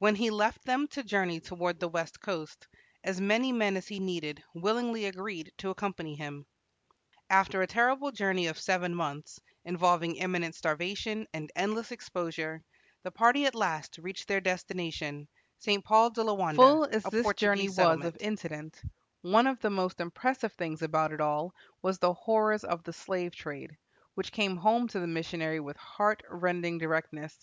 When he left them to journey toward the west coast, as many men as he needed willingly agreed to accompany him. After a terrible journey of seven months, involving imminent starvation and endless exposure, the party at last reached their destination, St. Paul de Loanda, a Portuguese settlement. Full as this journey was of incident, one of the most impressive things about it all was the horrors of the slave trade, which came home to the missionary with heart rending directness.